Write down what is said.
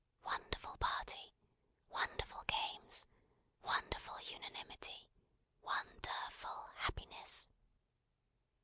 Wonderful party, wonderful games, wonderful unanimity, won der ful happiness!